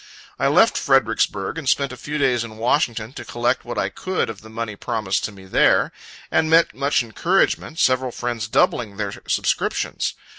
I left Fredericksburg, and spent a few days in Washington, to collect what I could of the money promised to me there; and met much encouragement, several friends doubling their subscriptions.